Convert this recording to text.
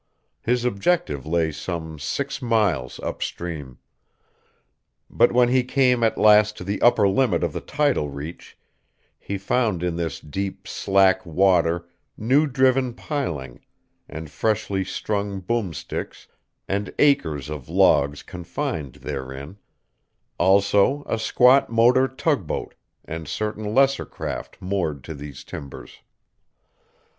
His objective lay some six miles up stream. But when he came at last to the upper limit of the tidal reach he found in this deep, slack water new driven piling and freshly strung boom sticks and acres of logs confined therein; also a squat motor tugboat and certain lesser craft moored to these timbers.